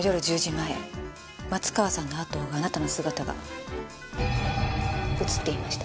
前松川さんのあとを追うあなたの姿が映っていました。